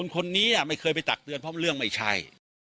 คนนี้ไม่เคยไปตักเตือนเพราะเรื่องไม่ใช่